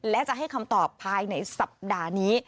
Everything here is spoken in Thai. และจะให้คำตอบภายในสัปดาห์นี้